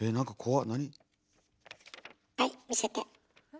はい見せて。